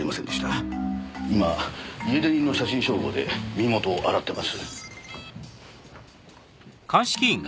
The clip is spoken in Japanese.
今家出人の写真照合で身元を洗ってます。